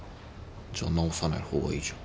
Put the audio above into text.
じゃあ直さない方がいいじゃん。